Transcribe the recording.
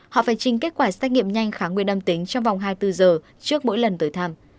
họ phải trình kết quả xét nghiệm nhanh kháng nguyên âm tính trong vòng hai mươi bốn giờ trước mỗi lần tới thăm